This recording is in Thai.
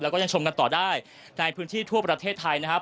แล้วก็ยังชมกันต่อได้ในพื้นที่ทั่วประเทศไทยนะครับ